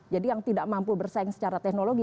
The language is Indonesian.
jadi yang tidak mampu bersaing secara teknologi